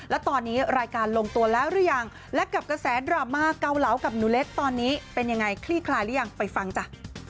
แล้วตอนนี้รายการลงตัวแล้วหรือยังและกับกระแสดราม่าเกาเหลากับหนูเล็กตอนนี้เป็นยังไงคลี่คลายหรือยังไปฟังจ้ะ